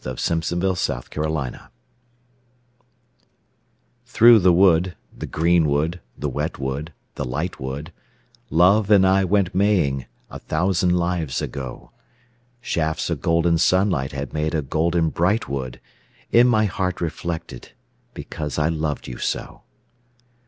ROSEMARY 51 THROUGH THE WOOD THKOUGH the wood, the green wood, the wet wood, the light wood, Love and I went maying a thousand lives ago ; Shafts of golden sunlight had made a golden bright wood In my heart reflected, because I loved you so.